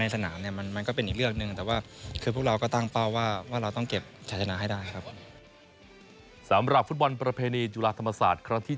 สำหรับฟุตบอลประเพณีจุฬาธรรมศาสตร์ครั้งที่๓